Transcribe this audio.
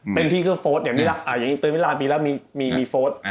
เป็นพี่เสื้อโฟสอย่างนี้ล่ะเติมเวลาปีแล้วมีโฟส